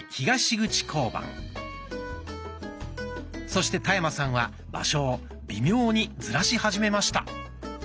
そして田山さんは場所を微妙にずらし始めました。